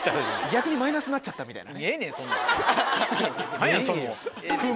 「逆にマイナスになっちゃったな」。